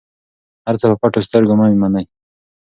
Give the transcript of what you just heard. هر څه په پټو سترګو مه منئ.